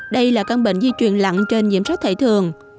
đây là căn bệnh di truyền lặn trên nhiễm sắc thầy thường